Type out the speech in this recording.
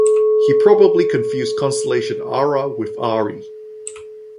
He probably confused constellation "Ara" with "Ari".